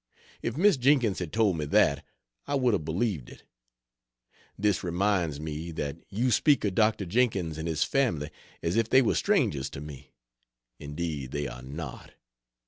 If Miss Jenkins had told me that, I would have believed it. This reminds me that you speak of Dr. Jenkins and his family as if they were strangers to me. Indeed they are not.